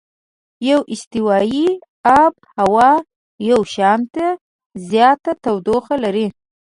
استوایي آب هوا یو شانته زیاته تودوخه لري.